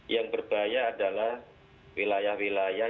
yang berbahaya adalah wilayah wilayah